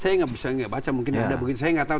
saya tidak tahu